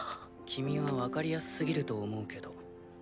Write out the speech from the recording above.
君は分かりやすすぎると思うけど。